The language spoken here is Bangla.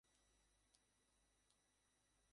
তিনি তার শূন্যসন্নিকর্ষী ক্যালকুলাসের জন্য প্রসিদ্ধ।